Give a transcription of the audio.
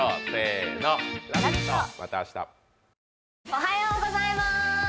おはようございます